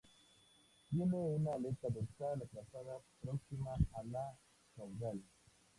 Tiene una aleta dorsal atrasada, próxima a la caudal.